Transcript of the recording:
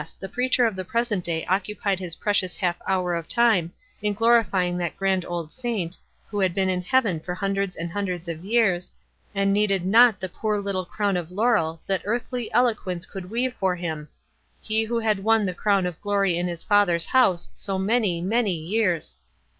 the preacher of the present day occupied his precious half hour of time in glorifying that grand old saint who had been in heaven for hundreds and hundreds of years, and needed not the poor little crown of laurel that earthly eloquence could weave for him —he who had won the crown of glory in his Father's house so many, many years